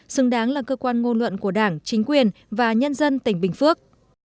xứng đáng là cơ quan ngôn luận của đảng chính quyền và nhân dân tỉnh bình phước